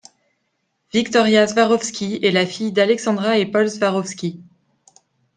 Victoria Swarovski est la fille d'Alexandra et Paul Swarovski.